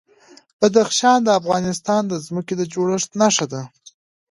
بدخشان د افغانستان د ځمکې د جوړښت نښه ده.